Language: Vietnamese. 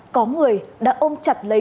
có người đã ôm chặt lấy